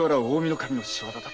守の仕業だと。